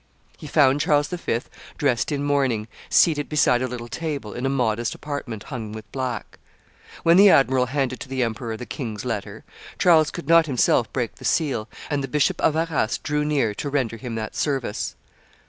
He found Charles V. dressed in mourning, seated beside a little table, in a modest apartment hung with black. When the admiral handed to the emperor the king's letter, Charles could not himself break the seal, and the Bishop of Arras drew near to render him that service.